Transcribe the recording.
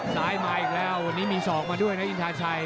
ซ้ายมาอีกแล้ววันนี้มีศอกมาด้วยนะอินทาชัย